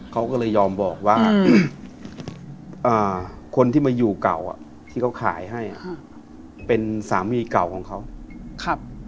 เขาก็เลยยอมบอกว่าคนที่มาอยู่เก่าอ่ะที่เขาขายให้เป็นสามีเก่าของเขาครับ